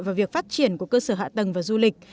vào việc phát triển của cơ sở hạ tầng và du lịch